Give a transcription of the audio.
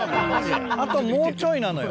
あともうちょいなのよ。